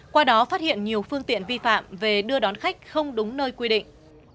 qua đó phát hiện nhiều phương tiện vi phạm về đưa đón khách không đúng nơi quy định